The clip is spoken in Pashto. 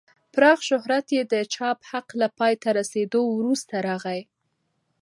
پراخ شهرت یې د چاپ حق له پای ته رسېدو وروسته راغی.